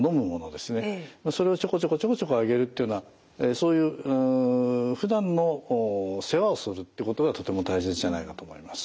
それをちょこちょこちょこちょこあげるっていうようなそういうふだんの世話をするってことがとても大切じゃないかと思います。